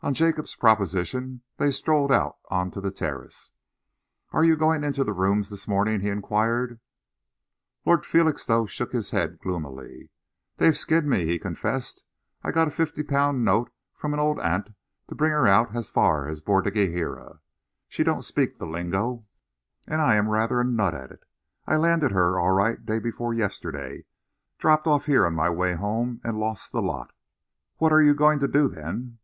On Jacob's proposition, they strolled out on to the terrace. "Are you going into the Rooms this morning?" he enquired. Lord Felixstowe shook his head gloomily. "They've skinned me," he confessed. "I got a fifty pound note from an old aunt, to bring her out as far as Bordighera. She don't speak the lingo, and I am rather a nut at it. I landed her, all right, day before yesterday, dropped off here on my way home, and lost the lot." "What are you going to do, then?"